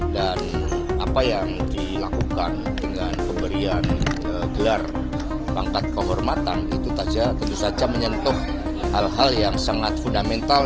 dan apa yang dilakukan dengan pemberian gelar pangkat kehormatan itu saja tentu saja menyentuh hal hal yang sangat fundamental